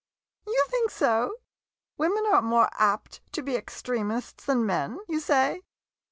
You think so? Women are more apt to be extremists than men — you say?